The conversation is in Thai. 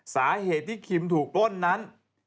สาเหตุที่คิมถูกปล้นนั้น